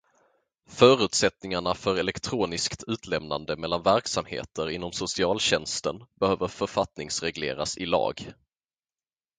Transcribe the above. Förutsättningarna för elektroniskt utlämnande mellan verksamheter inom socialtjänsten behöver författningsregleras i lag.